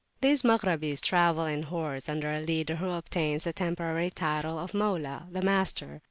These Maghrabis travel in hordes under [p.191] a leader who obtains the temporary title of "Maula," the master.